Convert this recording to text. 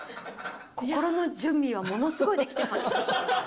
心の準備はものすごいできてました。